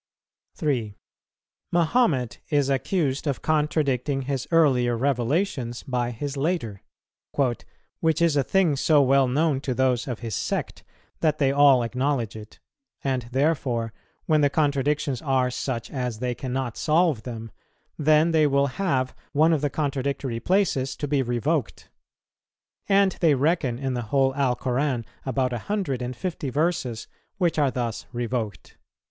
3. Mahomet is accused of contradicting his earlier revelations by his later, "which is a thing so well known to those of his sect that they all acknowledge it; and therefore when the contradictions are such as they cannot solve them, then they will have one of the contradictory places to be revoked. And they reckon in the whole Alcoran about a hundred and fifty verses which are thus revoked."